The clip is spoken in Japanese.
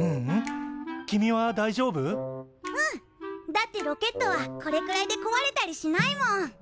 だってロケットはこれくらいでこわれたりしないもん！